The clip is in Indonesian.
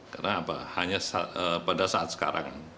karena apa hanya pada saat sekarang